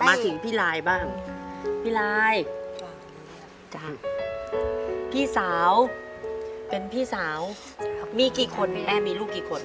มาถึงพี่ลายบ้างพี่ลายจ้ะพี่สาวเป็นพี่สาวมีกี่คนแม่มีลูกกี่คน